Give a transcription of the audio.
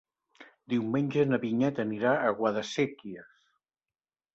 Diumenge na Vinyet anirà a Guadasséquies.